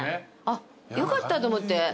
あっよかったと思って。